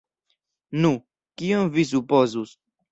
Nu, kion vi supozus?!